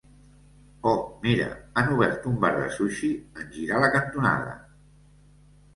Oh, mira, han obert un bar de sushi en girar la cantonada.